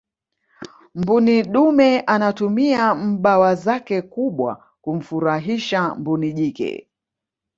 mbuni dume anatumia mbawa zake kubwa kumfurahisha mbuni jike